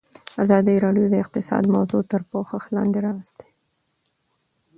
ازادي راډیو د اقتصاد موضوع تر پوښښ لاندې راوستې.